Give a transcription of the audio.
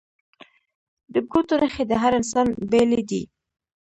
د ګوتو نښې د هر انسان بیلې دي